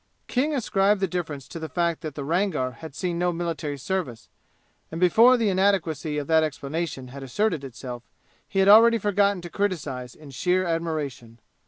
King ascribed the difference to the fact that the Rangar had seen no military service, and before the inadequacy of that explanation had asserted itself he had already forgotten to criticize in sheer admiration.